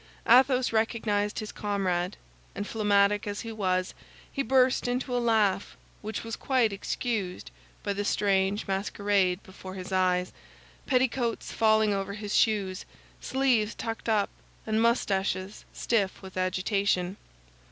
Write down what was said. Athos recognized his comrade, and phlegmatic as he was, he burst into a laugh which was quite excused by the strange masquerade before his eyes—petticoats falling over his shoes, sleeves tucked up, and mustaches stiff with agitation.